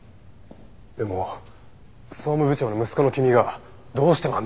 でも総務部長の息子の君がどうして万引きなんか。